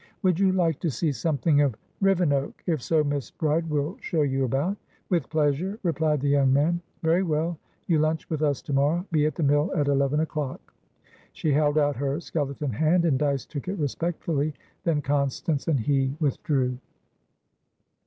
"Would you like to see something of Rivenoak? If so, Miss Bride will show you about." "With pleasure," replied the young man. "Very well. You lunch with us to morrow. Be at the mill at eleven o'clock." She held out her skeleton hand, and Dyce took it respectfully. Then Constance and he withdrew.